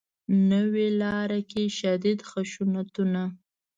نوې لاره کې شدید خشونتونه